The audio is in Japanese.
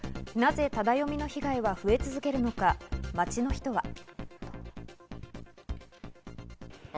なぜタダ読みの被害は増え続けるのか待ちの人は。